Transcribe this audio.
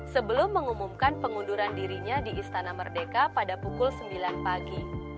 sebelum mengumumkan pengunduran dirinya di istana merdeka pada pukul sembilan pagi